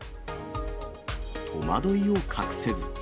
戸惑いを隠せず。